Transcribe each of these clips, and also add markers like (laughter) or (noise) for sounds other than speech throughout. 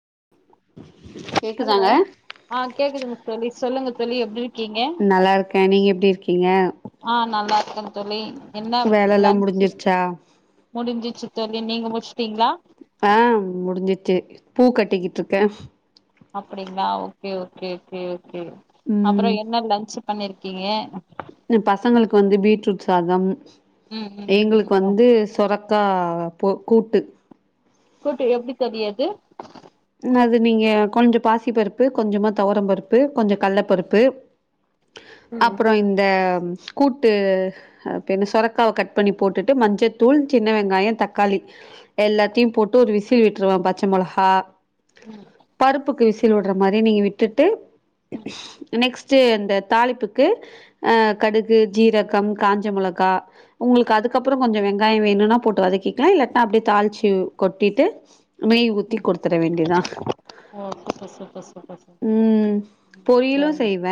(inaudible) hello கேக்குதாங்க ஆ கேக்குதுங்க தோழி சொல்லுங்க தோழி எப்டிருக்கீங்க க நீங்க எப்டிருக்கீங்க நல்லா இருக்க தோழி என்ன லன்ச்சு முடிஞ்சிருச்சா முடிஞ்சிச்சு தோழி நீங்க முடிச் ஆ முடிஞ்சிச்சு பூ கட்டிகிட்ருக்க அப்படிங்ளா ஓகே ஓகே கே ஓகே அப்புற ம் என்ன லன்ச்சு பண்ணிருக்கிங்க பசங்களுக்கு வந்து பீட்ரூட் சாதம் ம் ம் எங்களுக்கு ம் ம் வந்து சொரக்கா போ கூட்டு கூட்டு எப்டி தோழி அது அது நீங்க கொஞ்ச பாசி பருப்பு கொஞ்சமா துவரம் பருப்பு கொஞ்ச கல்ல பருப்பு ம் அப்புற இந்த கூட்டு பின்ன சொரக்காவ கட் பண்ணி போட்டுட்டு மஞ்சத்தூள் சின்ன வெங்காய தக்காளி எல்லாத்தையு போட்டு ஒரு விசில் விட்ருவ பச்ச மொளகா பருப்புக்கு விசி ல் விடற மாரி நீங்க விட்டுட்டு நெக்ஸ்ட் அந்த தாளிப்புக்கு அ கடுகு ஜீரகம் காஞ்ச மொள கா உங்ளுக்கு அதுக்கப்புற கொஞ்ச வெங்காய வேணுனா போட்டு வதக்கிக்லா இல்லட்டா அப்டியே தாளிச்சி கொட்டிட்டு நெய் ஊத்தி குடுத்தர வேண்டியதா ஓ சூப்பர் சூப்பர் சூப்பர் சூப்பர் ம் பொரியலு சரிங்க செய்வ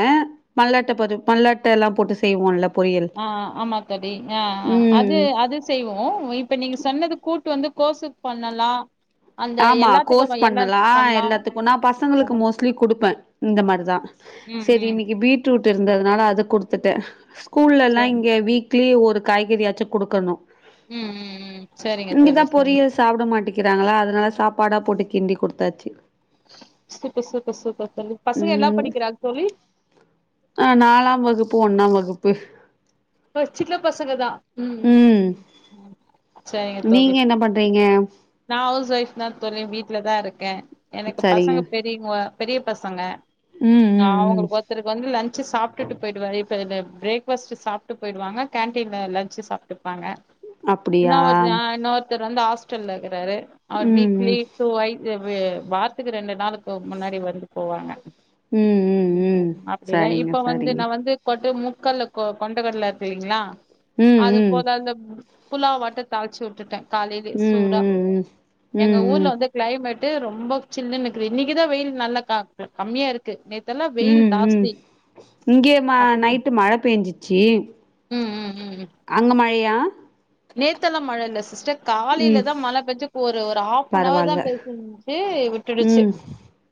மல்லாட்ட பரு மல்லாட்ட எல்லா போட்டு செய்வோல ஆ ஆ ஆமா தோழி ஆ ஆ அது ம் அது செய்வோ இப்ப நீங்க சொன்னது கூட்டு வந்து கோசுக் பண்ணலா அந்த ஆமா கோஸ் எல்லாத்துக்கு எல்லா பண்ணலா பண்லா எல்லாத்துக்கு நா பசங்களுக்கு மோஸ்ட்லி குடுப்ப இந்த மாரிதா ம் சரி ம் இன்னிக்கு பீட்ரூட் இருந்ததுனால அது குடுத்துட்டே ஸ்கூல்லலா சரி இங்கே வீக்லி ஒரு காய்கறியாச்சு குடுக்கணு ம் ம் ம் சரிங்க தோழி சரிங்க வக்கிறாங்ளா அதனால சாப்பாடா போட்டு கிண்டி குடுத்தாச்சு சூப்பர் சூப்பர் சூப்பர் தோழி பசங்க என்னா ம் படிக்கிறாங் தோழி ஆ நாலாம் வகுப்பு ஒன்னாம் வகுப்பு ஒ சின்ன பசங்கதா ம் ம் ம் ம் சரிங்க தோழி நீங்க என்ன பண்றீங்க நா ஹவுஸ் ஒய்ஃப் தா தோழி வீட்ல தா இருக்க எனக்கு சரிங்க பசங்க பெரிங்க பெரிய பசங்க ம் ஆ ம் அவுங்க ம் ஒருத்தருக்கு வந்து லன்ச்சு சாப்ட்டுட்டு போய்டுவாரு இல்ல பிரேக்ஃபாஸ்டு சாப்ட்டு போய்டுவாங்க கேன்டீன்ல லன்ச்சு சாப்ட்டுபாங்க இன்னொ அப்டியா ஒரு இன்னொருத்தர் வந்து ஹாஸ்டல்ல இருக்றாரு அவர் ம் வீக்லி ம் ட்வை இ வு வாரத்துக்கு ரெண்டு நாளுக்கு முன்னாடி வந்து போவாங்க ம் ம் அப்டிதா சரிங்க இப்ப வந்து சரிங்க நா வந்து கொட்டு முக்கல்ல கொண்டக்கடல தெரியுங்லா ம் அது ம் போல அந்த புலாவாட்ட தாளிச்சு உட்டுட்ட காலைலயே ம் சூடா ம் ம் எங்க ஊர்ல ம் வந்து க்ளைமேட் டு ரொம்ப சில்லுனு இருக்குது இன்னைக்குதா வெயில் நல்லா க கமியா இருக்கு நே ம் ம் இங்கயு மா அப்படி நைட்டு மழ பேஞ்சிச்சு ம் ம் ம் ம் அங்க மழையா நேத்தெல்லா மழை இல்ல சிஸ்டர் ம் காலைலதா மழை பேஞ்சு ப்ப ஒரு ஒரு ஹாஃப் அன் ஹவர் தா பரவால்ல பேஞ்சுட்ருந்ச்சு விட்டுடுச்சு ம்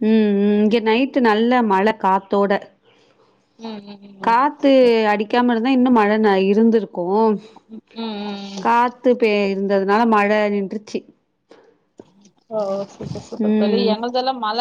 ம் ம் இங்க நைட்டு நல்ல மழ காத்தோட ம் ம் ம் காத்து ம் அடிக்காம இருந்தா இன்னு மழை ந இருந்திருக்கு ம் ம் காத்து பே இருந்ததுனால மழ நின்றுச்சு ஓ சூப்பர் சூப்பர் தோழி ம் எங்ளுதல்லா மழ